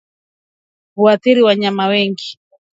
Huathiri wanyama wengi